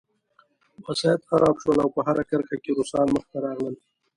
وسایط خراب شول او په هره کرښه کې روسان مخته راتلل